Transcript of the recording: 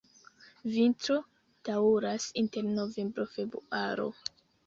Vintro daŭras inter novembro-februaro.